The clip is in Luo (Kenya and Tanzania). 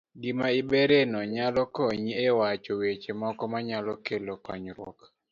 Gima iberie no nyalo konyi e wacho weche moko manyalo keloni konyruok.